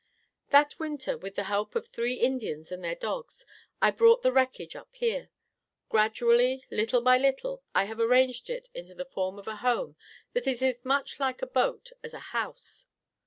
"That winter, with the help of three Indians and their dogs, I brought the wreckage up here. Gradually, little by little, I have arranged it into the form of a home that is as much like a boat as a house.